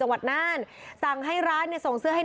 ร้านนี้ก็ไม่รู้จัก